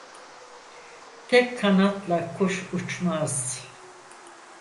Tek kanatla kuş uçmaz.